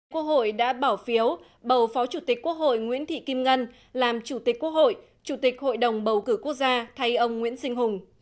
quốc hội đã bỏ phiếu bầu phó chủ tịch quốc hội nguyễn thị kim ngân làm chủ tịch quốc hội chủ tịch hội đồng bầu cử quốc gia thay ông nguyễn sinh hùng